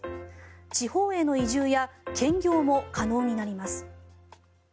地方への移住や兼業も可能になります。